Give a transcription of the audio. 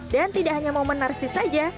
dan tidak hanya momen narsis saja